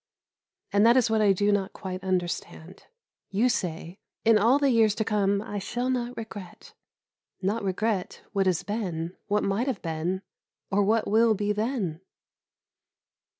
And that is what I do not quite understand. You say, "In all the years to come I shall not regret." Not regret what has been, what might have been, or what will be then?